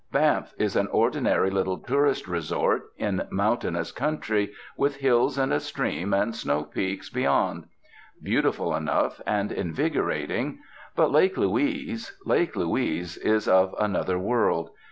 Banff is an ordinary little tourist resort in mountainous country, with hills and a stream and snow peaks beyond. Beautiful enough, and invigorating. But Lake Louise Lake Louise is of another world.